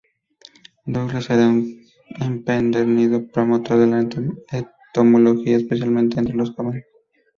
Douglas era un empedernido promotor de la entomología, especialmente entre los jóvenes.